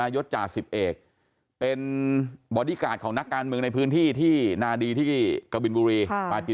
ยศจ่าสิบเอกเป็นบอดี้การ์ดของนักการเมืองในพื้นที่ที่นาดีที่กบินบุรี